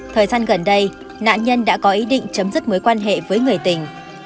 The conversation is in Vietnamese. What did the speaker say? thời gian gần đây nạn nhân đã có ý định chấm dứt mối quan hệ với người tình